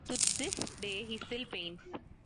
To this day he still paints.